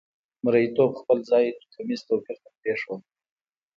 مریتوب خپل ځای توکمیز توپیر ته پرېښود.